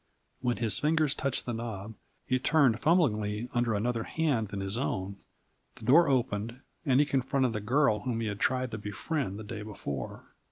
When his fingers touched the knob, it turned fumblingly under another hand than his own; the door opened, and he confronted the girl whom he had tried to befriend the day before.